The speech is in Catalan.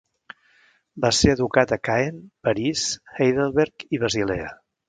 Va ser educat a Caen, París, Heidelberg i Basilea.